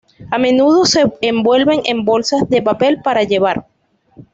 A menudo se envuelven en bolsas de papel para lleva.